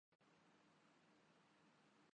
اس کی مخالفت خدا کی مخالفت ہے۔